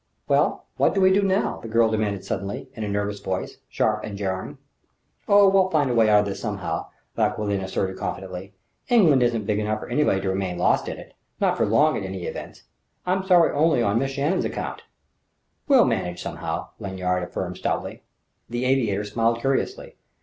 "Well what do we do now?" the girl demanded suddenly, in a nervous voice, sharp and jarring. "Oh, we'll find a way out of this somehow," Vauquelin asserted confidently. "England isn't big enough for anybody to remain lost in it not for long, at all events. I'm sorry only on Miss Shannon's account." "We'll manage, somehow," Lanyard affirmed stoutly. The aviator smiled curiously.